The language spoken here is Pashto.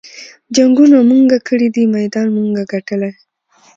جنګــــونه مونږه کـــــــــړي دي مېدان مونږه ګټلے